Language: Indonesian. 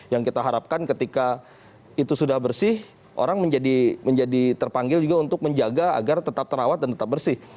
yang kita harapkan ketika itu sudah bersih orang menjadi terpanggil juga untuk menjaga agar tetap terawat dan tetap bersih